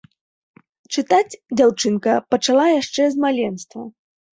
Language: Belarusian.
Чытаць дзяўчынка пачала яшчэ з маленства.